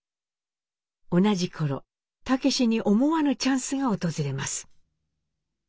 同じ頃武司に思わぬチャンスが訪れます。